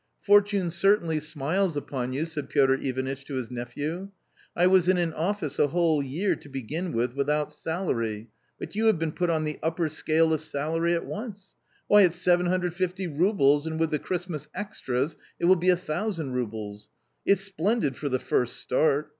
"Fortune certainly smiles upon you," said Piotr Ivanitch to his nephew; "I was in an office a whole year to begin with without salary, but you have been put on the upper scale of salary at once ; why it's 750 roubles and with the Christmas extras it will be 1000 roubles. It's splendid for the first start!